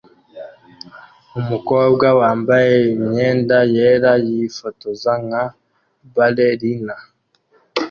Umukobwa wambaye imyenda yera yifotoza nka ballerina